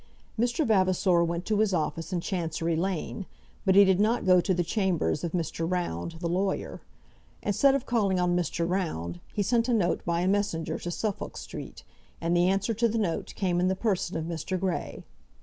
Mr. Vavasor went to his office in Chancery Lane, but he did not go to the chambers of Mr. Round, the lawyer. Instead of calling on Mr. Round he sent a note by a messenger to Suffolk Street, and the answer to the note came in the person of Mr. Grey.